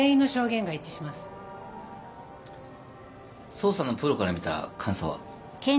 捜査のプロから見た感想は？